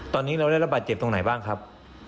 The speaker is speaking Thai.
ตอนนี้เราได้ระบาดเจ็บตรงไหนบ้างครับ